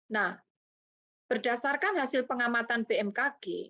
nah berdasarkan hasil pengamatan bmkg